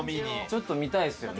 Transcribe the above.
ちょっと見たいっすよね。